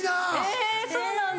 えぇそうなんだ。